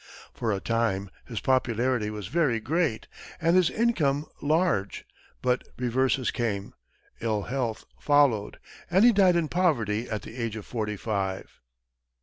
For a time his popularity was very great and his income large; but reverses came, ill health followed, and he died in poverty at the age of forty five.